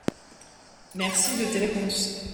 mersi de tes réponses.